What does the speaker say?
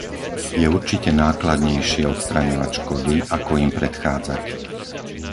Je určite nákladnejšie odstraňovať škody ako im predchádzať.